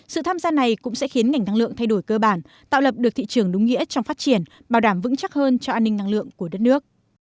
sự tham gia này cũng sẽ khiến ngành năng lượng thay đổi cơ bản tạo lập được thị trường đúng nghĩa trong phát triển bảo đảm vững chắc hơn cho an ninh năng lượng của đất nước